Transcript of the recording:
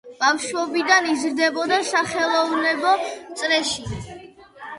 ბავშვობიდან იზრდებოდა სახელოვნებო წრეში.